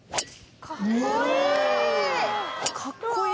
「かっこいい！」